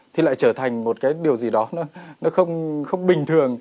thì lại trở thành một cái điều gì đó nó không bình thường